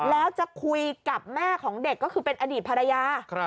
แล้วจะคุยกับแม่ของเด็กก็คือเป็นอดีตภรรยา